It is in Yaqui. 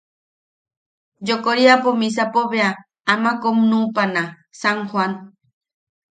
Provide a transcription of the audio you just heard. Yokoriapo, misapo bea ama kom nuʼupana San Joan.